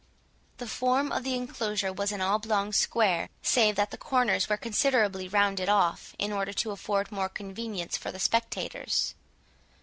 The form of the enclosure was an oblong square, save that the corners were considerably rounded off, in order to afford more convenience for the spectators.